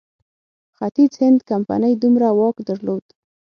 ختیځ هند کمپنۍ دومره واک درلود.